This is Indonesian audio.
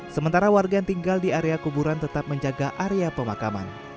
sementara warga yang tinggal di area kuburan tetap menjaga area pemakaman